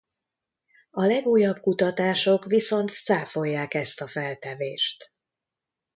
A legújabb kutatások viszont cáfolják ezt a feltevést.